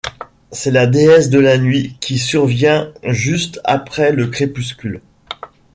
C'est la déesse de la nuit qui survient juste après le crépuscule.